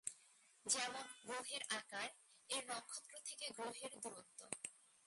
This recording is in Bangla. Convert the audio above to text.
যেমনঃ গ্রহের আকার, এর নক্ষত্র থেকে গ্রহের দূরত্ব।